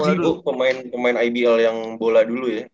banyak sih bu pemain ibl yang bola dulu ya